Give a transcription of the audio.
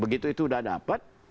begitu itu udah ada apa